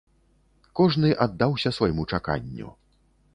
Кожны аддаўся свайму чаканню.